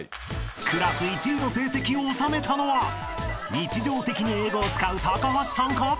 ［クラス１位の成績を収めたのは日常的に英語を使う高橋さんか？］